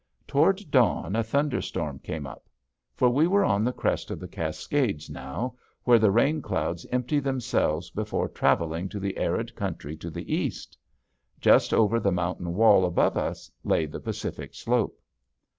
Toward dawn a thunder storm came up. For we were on the crest of the Cascades now, where the rain clouds empty themselves before traveling to the arid country to the east. Just over the mountain wall above us lay the Pacific Slope.